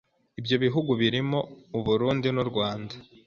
ibyo bihugu birimo u Burundi n'u Rwanda